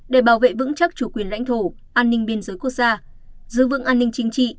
để bảo vệ vững chắc chủ quyền lãnh thổ an ninh biên giới quốc gia giữ vững an ninh chính trị